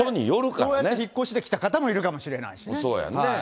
そうやって引っ越してきた方もいるかもしれないですからね。